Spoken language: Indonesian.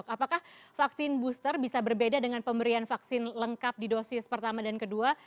apakah vaksin booster bisa berbeda dengan pemberian vaksin lengkap di dosis pertama dan kedua